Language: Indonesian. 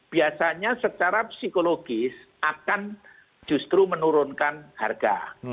biasanya secara psikologis akan justru menurunkan harga